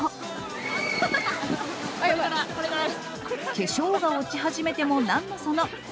化粧が落ち始めてもなんのその。